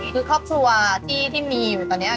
คือครอบครัวที่มีอยู่ตอนนี้